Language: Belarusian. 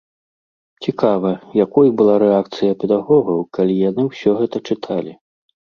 Цікава, якой была рэакцыя педагогаў, калі яны ўсё гэта чыталі?